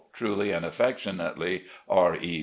... "Truly and affectionately, "R. E.